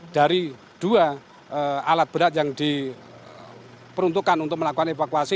dari dua alat berat yang diperuntukkan untuk melakukan evakuasi